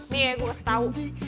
nih ya gue setau